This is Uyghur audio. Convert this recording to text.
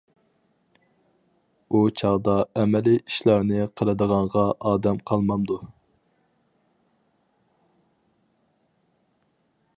ئۇ چاغدا ئەمەلىي ئىشلارنى قىلىدىغانغا ئادەم قالمامدۇ.